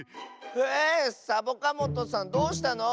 えサボカもとさんどうしたの？